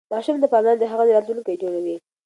ماشوم ته پاملرنه د هغه راتلونکی جوړوي.